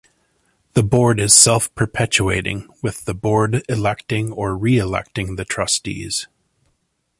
The board is self-perpetuating with the board electing or re-electing the trustees.